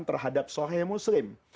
terhadap sohya muslim